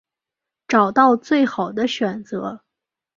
找到最好的选择